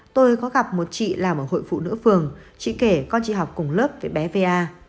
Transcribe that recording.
tôi có gặp một chị làm ở hội phụ nữ phường chỉ kể con chị học cùng lớp với bé va